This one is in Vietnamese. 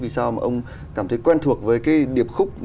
vì sao mà ông cảm thấy quen thuộc với cái điệp khúc